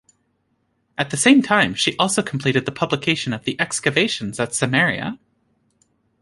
At the same time she also completed the publication of the excavations at Samaria.